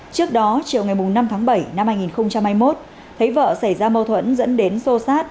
trước đó chiều ngày năm tháng bảy năm hai nghìn hai mươi một thấy vợ xảy ra mâu thuẫn dẫn đến xô xát